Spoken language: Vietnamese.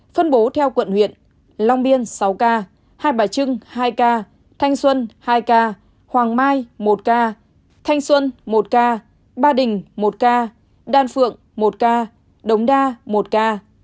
phân bố theo quận huyện long biên sáu ca hai bà trưng hai ca thanh xuân hai ca hoàng mai một ca thanh xuân một ca ba đình một ca đan phượng một ca đống đa một ca